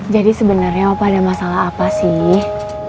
jadi sebenernya opa ada masalah apa sih